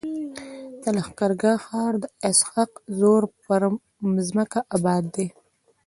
د لښکر ګاه ښار د اسحق زو پر مځکه اباد دی.